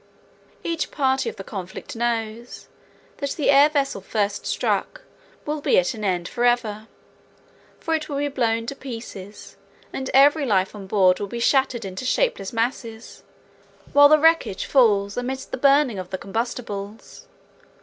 Each party of the conflict knows that the air vessel first struck will be at an end forever, for it will be blown to pieces and every life on board will be shattered into shapeless masses, while the wreckage falls amidst the burning of the combustibles.